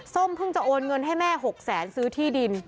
ส้มเพิ่งจะโอนเงินให้แม่๖๐๐๐๐๐บาทซื้อที่ดิน